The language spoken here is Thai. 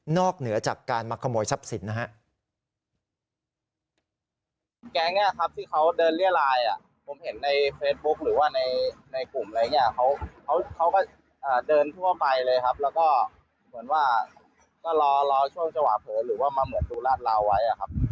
เหนือจากการมาขโมยทรัพย์สินนะฮะ